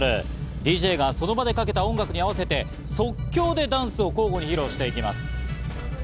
ＤＪがその場でかけた音楽に合わせて即興でダンスを交互に披露していきます。